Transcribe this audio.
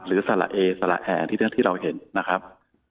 สละเอสละแอร์ที่เราเห็นนะครับ